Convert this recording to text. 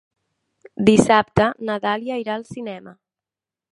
Dissabte na Dàlia irà al cinema.